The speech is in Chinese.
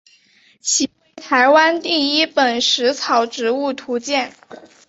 其为台湾第一本食虫植物图鉴。